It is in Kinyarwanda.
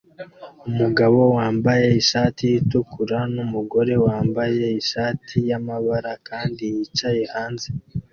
Umugabo wambaye ishati itukura numugore wambaye ishati yamabara kandi yicaye hanze